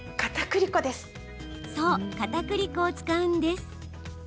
そう、かたくり粉を使うんです。